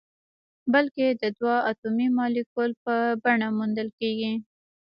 بلکې د دوه اتومي مالیکول په بڼه موندل کیږي.